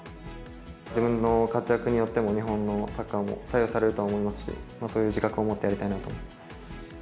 自分の活躍によっても、日本のサッカーも左右されるとは思いますし、そういう自覚を持ってやりたいなと思います。